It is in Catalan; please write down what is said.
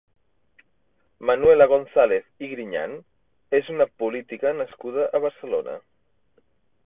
Manuela González i Griñán és una política nascuda a Barcelona.